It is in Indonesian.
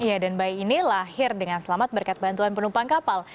iya dan bayi ini lahir dengan selamat berkat bantuan penumpang kapal